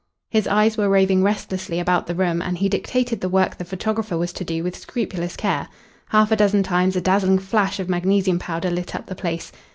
His eyes were roving restlessly about the room, and he dictated the work the photographer was to do with scrupulous care. Half a dozen times a dazzling flash of magnesium powder lit up the place.